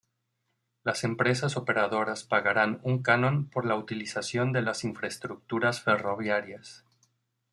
Las empresas operadoras pagarán un canon por la utilización de las infraestructuras ferroviarias.